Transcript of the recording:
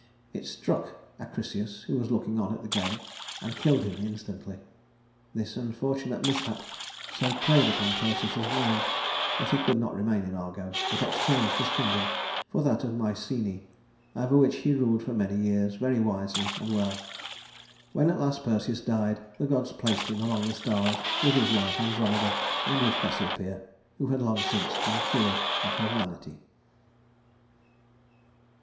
It struck Acrisius, who was looking on at the game, and killed him instantly. This unfortunate mishap so preyed upon Perseus's mind that he could not remain in Argo, but exchanged his kingdom for that of Mycenæ, over which he ruled for many years very wisely and well. When at last Perseus died, the gods placed him among the stars with his wife Andromeda, and with Cassiopeia, who had long since been cured of her vanity.